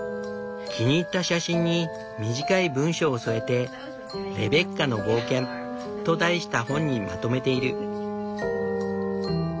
気に入った写真に短い文章を添えて「レベッカの冒険」と題した本にまとめている。